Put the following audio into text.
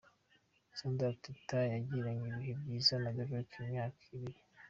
Sandra Teta yagiranye ibihe byiza na Derek imyaka ibiri.